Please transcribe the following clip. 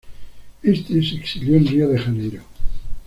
Éste se exilió en Río de Janeiro.